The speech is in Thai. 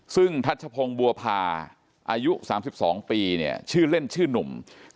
ซึ่งทัชพงศ์บัวพาอายุ๓๒ปีเนี่ยชื่อเล่นชื่อหนุ่ม